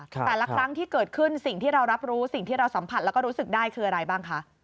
แต่ละครั้งที่เกิดขึ้นสิ่งที่เรารับรู้สิ่งที่เราสัมผัสแล้วก็รู้สึกได้คืออะไรบ้างคะ